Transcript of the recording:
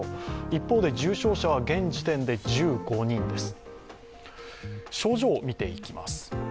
一方で、重症者は現時点で１５人です。